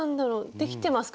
できてますか？